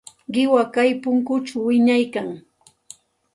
Qiwa kay punkućhaw wiñaykan.